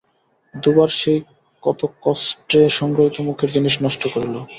দু-দুবার সেই কত কষ্টে সংগৃহীত মুখের জিনিস নষ্ট করিল!